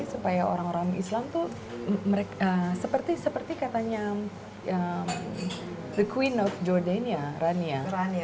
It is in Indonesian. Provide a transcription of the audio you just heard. supaya orang orang islam tuh seperti katanya the queen of jordan rania